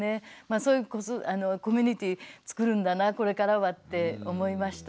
そういうコミュニティーつくるんだなこれからはって思いました。